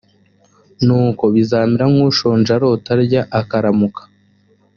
nuko bizamera nk ushonje arota arya akaramuka